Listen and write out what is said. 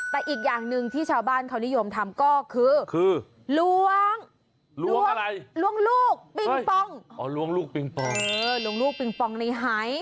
แต่อีกอย่างหนึ่งที่ชาวบ้านเขานิยมทำก็คือล้วงลูกปิงปองในไฮ